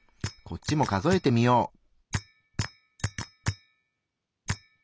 こっちも数えてみよう。